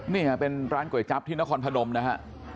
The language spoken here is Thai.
นี่ค่ะเป็นร้านก๋วยจั๊บที่นครพนมนะฮะ